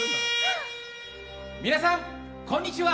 皆さん、こんにちは。